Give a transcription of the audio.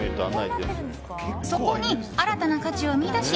そこに新たな価値を見いだし